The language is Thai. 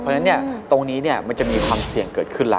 เพราะฉะนั้นตรงนี้มันจะมีความเสี่ยงเกิดขึ้นแล้ว